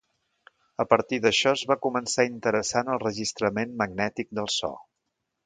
A partir d'això es va començar a interessar en el registrament magnètic del so.